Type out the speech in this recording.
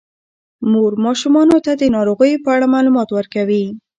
مور ماشومانو ته د ناروغیو په اړه معلومات ورکوي.